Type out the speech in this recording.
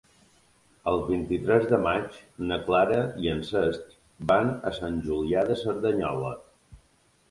El vint-i-tres de maig na Clara i en Cesc van a Sant Julià de Cerdanyola.